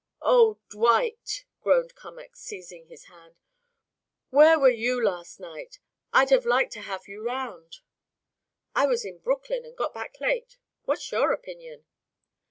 "Oh, Dwight!" groaned Cummack, seizing his hand. "Where were you last night? I'd have liked to have you round." "I was in Brooklyn and got back late. What's your opinion?"